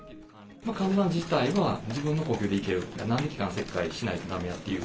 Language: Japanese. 患者自体は自分の呼吸でいける、なんで気管切開しないとだめやという。